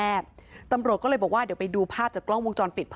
เพื่อนก็งงไม่รู้เลยว่าสาเหตุมันเกิดจากอะไรกันแน่